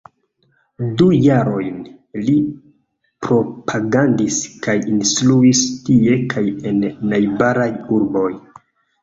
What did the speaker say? Du jarojn li propagandis kaj instruis tie kaj en najbaraj urboj.